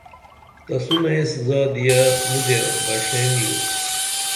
تسونہ ایس زادیہ مودیہ بݜین یو